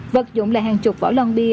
vật dụng là hàng chục vỏ lon bia